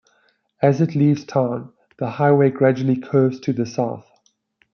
As it leaves town, the highway gradually curves to the south.